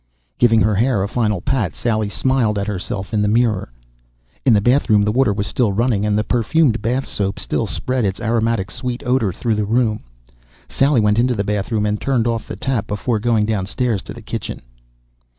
Giving her hair a final pat Sally smiled at herself in the mirror. In the bathroom the water was still running and the perfumed bath soap still spread its aromatic sweet odor through the room. Sally went into the bathroom and turned off the tap before going downstairs to the kitchen.